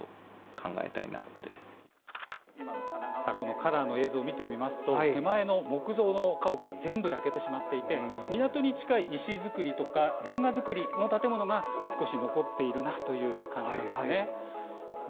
カラーの映像を見てみると手前の木造の建物は全部焼けてしまっていて港に近いの石造りやレンガ造りの建物が少し残っているなという感じですね。